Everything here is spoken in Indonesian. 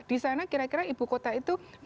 disana kira kira ibu kota itu yang penting